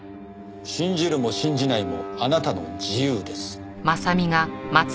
信じるも信じないもあなたの自由です。